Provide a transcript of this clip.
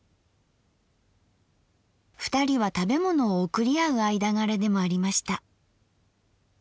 ２人は食べ物をおくり合う間柄でもありました。